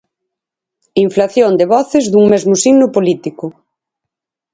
Inflación de voces dun mesmo signo político.